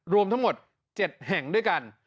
รวมทั้งหมด๗แห่งด้วยกัน